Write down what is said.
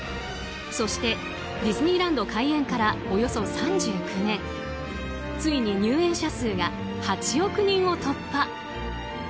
そしてディズニーランド開園からおよそ３９年ついに入園者数が８億人を突破。